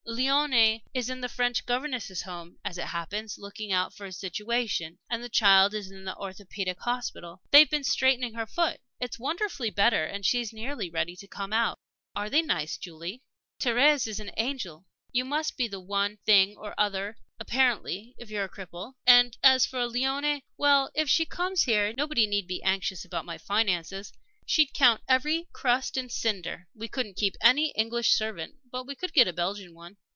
"Léonie is in the French Governesses' Home, as it happens, looking out for a situation, and the child is in the Orthopædic Hospital. They've been straightening her foot. It's wonderfully better, and she's nearly ready to come out." "Are they nice, Julie?" "Thérèse is an angel you must be the one thing or the other, apparently, if you're a cripple. And as for Léonie well, if she comes here, nobody need be anxious about my finances. She'd count every crust and cinder. We couldn't keep any English servant; but we could get a Belgian one."